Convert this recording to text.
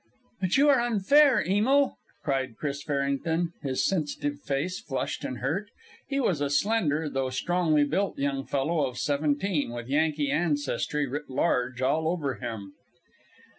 "But you are unfair, Emil!" cried Chris Farrington, his sensitive face flushed and hurt. He was a slender though strongly built young fellow of seventeen, with Yankee ancestry writ large all over him.